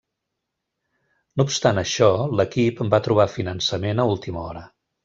No obstant això, l'equip va trobar finançament a última hora.